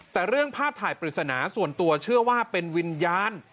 แต่เรื่องภาพถ่ายปริศนาส่วนตัวเชื่อว่าเป็นวิญญาณ